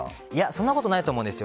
そんなことないと思うんです。